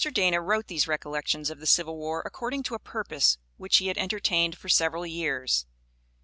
Dana wrote these Recollections of the civil war according to a purpose which he had entertained for several years.